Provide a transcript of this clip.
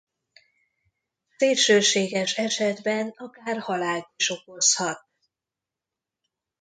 Szélsőséges esetben akár halált is okozhat.